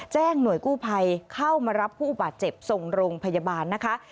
หน่วยกู้ภัยเข้ามารับผู้บาดเจ็บส่งโรงพยาบาลนะคะ